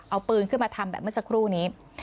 เอาปืนขึ้นมาทำแบบเมื่อสักครู่นี้